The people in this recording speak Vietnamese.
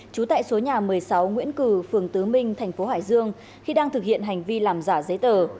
trú tại số nhà một mươi sáu nguyễn cử phường tứ minh tp hải dương khi đang thực hiện hành vi làm giả giấy tờ